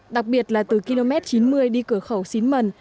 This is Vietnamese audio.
đặc biệt là từ km chín mươi đi cửa khẩu xín mần